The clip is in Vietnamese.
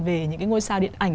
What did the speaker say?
về những cái ngôi sao điện ảnh